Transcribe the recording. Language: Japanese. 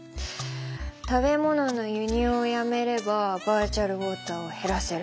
食べ物の輸入をやめればバーチャルウォーターはへらせる。